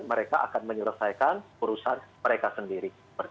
mereka akan menyelesaikan urusan mereka sendiri